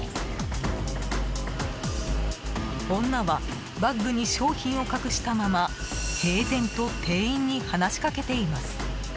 女はバッグに商品を隠したまま平然と店員に話しかけています。